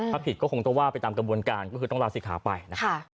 ถ้าผิดก็คงต้องว่าไปตามกระบวนการก็คือต้องลาศิกขาไปนะคะ